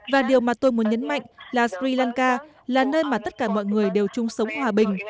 và điều mà tôi muốn nhấn mạnh là sri lanka là nơi mà tất cả mọi người đều chung sống hòa bình